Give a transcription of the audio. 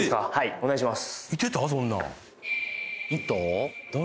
お願いします